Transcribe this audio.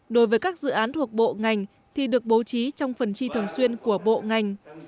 đối với các dự án thuộc bộ ngành thì được bố trí trong phần chi thường xuyên của bộ ngành